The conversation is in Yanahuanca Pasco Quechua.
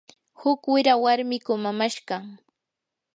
huk wira warmi kumamashqam.